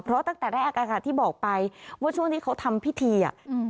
เพราะตั้งแต่แรกที่บอกไปว่าช่วงที่เขาทำพิธี